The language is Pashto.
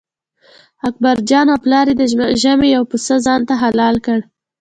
اکبرجان او پلار یې د ژمي یو پسه ځانته حلال کړ.